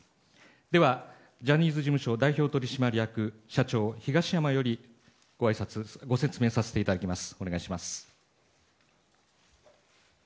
では、ジャニーズ事務所代表取締役社長東山よりご説明させていただきます。